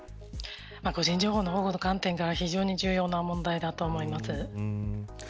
個人情報保護の観点から非常に重要な問題だと思います。